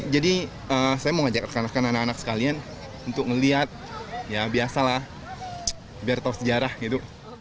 jadi saya mau ngajak kan kan anak anak sekalian untuk ngeliat ya biasa lah biar tau sejarah gitu